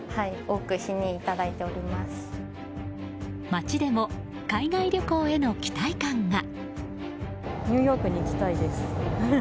街でも、海外旅行への期待感が。